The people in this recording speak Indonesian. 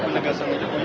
penegasan aja bu ya